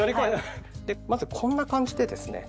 まずこんな感じでですね